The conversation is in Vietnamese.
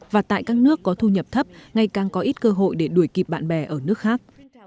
và tại các nước có thu nhập thấp ngày càng có ít cơ hội để đuổi kịp bạn bè ở nước khác